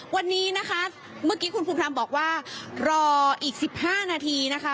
วันนี้นะคะเมื่อกี้คุณภูมิพรรมบอกว่ารออีก๑๕นาทีนะคะ